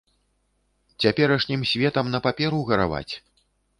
Цяперашнім светам на паперу гараваць?